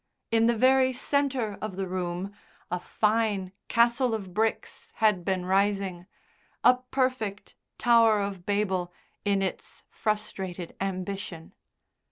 In the very centre of the room a fine castle of bricks had been rising, a perfect Tower of Babel in its frustrated ambition.